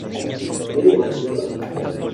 ¿ hay una chica?